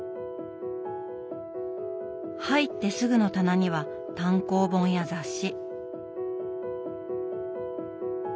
入ってすぐの棚には単行本や雑誌。